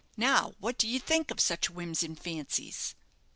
Now, what do you think of such whims and fancies?"